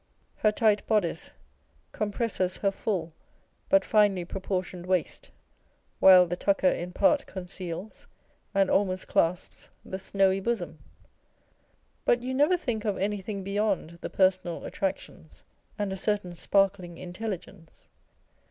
Her tight boddice compresses her full but finely proportioned waist ; while the tucker in part conceals and almost clasps the snowy bosom. But you never think of anything beyond the personal attractions, and a certain sparkling intelligence.